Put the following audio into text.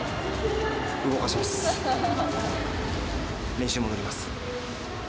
練習戻ります。